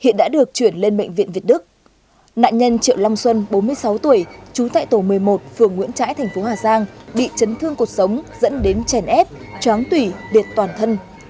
nạn nhân triệu lâm xuân bốn mươi sáu tuổi chú tệ tổ một mươi một phường nguyễn trãi thành phố hà giang bị chấn thương cuộc sống dẫn đến chèn ép chóng tủy biệt toàn thân